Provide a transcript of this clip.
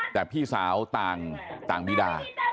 แต่พี่สาวต่างมีด่า